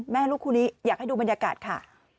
แม่ลูกคู่นี้อยากให้ดูบรรยากาศค่ะ